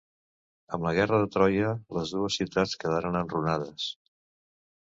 Amb la Guerra de Troia, les dues ciutats quedaren enrunades.